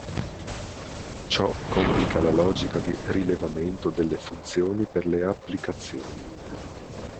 Ciò complica la logica di rilevamento delle funzioni per le applicazioni.